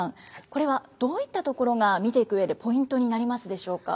これはどういったところが見ていく上でポイントになりますでしょうか？